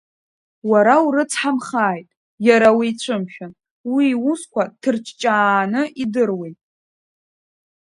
Уара урыцҳамхааит, иара уицәымшәан, уи иусқәа ҭырҷҷааны идыруеит.